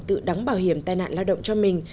tự đóng bảo hiểm tai nạn lao động cho mình